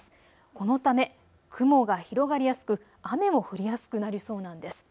このため雲が広がりやすく雨も降りやすくなりそうなんです。